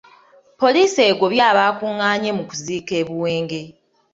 Poliisi egobye abakuղղaanye mu kuziika e Buwenge.